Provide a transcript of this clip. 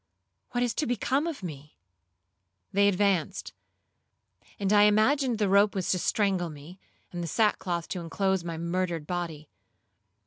—what is to become of me?' They advanced, and I imagined the rope was to strangle me, and the sackcloth to inclose my murdered body.